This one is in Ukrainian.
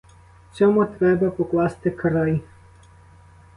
Цьому треба покласти край.